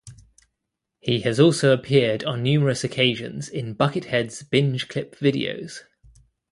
He has also appeared on numerous occasions in Buckethead's "Binge Clip Videos".